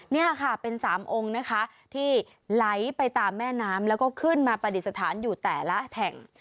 นี่ค่ะเป็นสามองค์นะคะที่ไหลไปตามแม่น้ำแล้วก็ขึ้นมาปฏิสถานอยู่แต่ละแห่ง